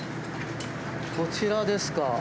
こちらですか。